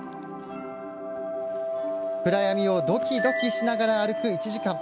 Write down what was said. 暗闇をドキドキしながら歩く１時間。